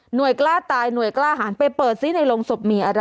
กล้าตายหน่วยกล้าหารไปเปิดซิในโรงศพมีอะไร